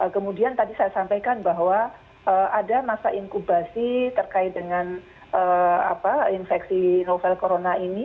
kemudian tadi saya sampaikan bahwa ada masa inkubasi terkait dengan infeksi novel corona ini